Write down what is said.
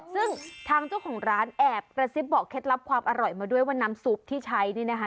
ซึ่งทางเจ้าของร้านแอบกระซิบบอกเคล็ดลับความอร่อยมาด้วยว่าน้ำซุปที่ใช้นี่นะคะ